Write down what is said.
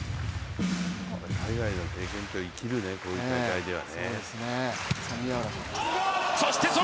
海外の経験って生きるね、こういう戦いでは。